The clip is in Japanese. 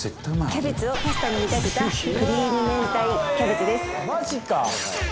キャベツをパスタに見立てたクリーム明太キャベツです。